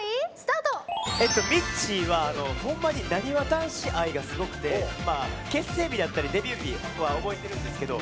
みっちーは、ほんまになにわ男子愛がすごくて結成日だったりデビュー日は覚えているんですけど